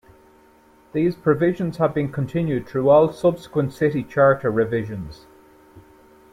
These provisions have been continued through all subsequent city charter revisions.